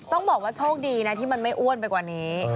ต้องบอกว่าโชคดีนะที่มันไม่อ้วนไปกว่านี้